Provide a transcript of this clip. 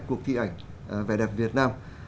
cuộc thi ảnh vẻ đẹp việt nam